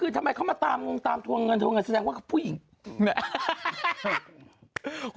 ทำไมเขามาตามทัวงเงินแสดงว่าผู้หญิง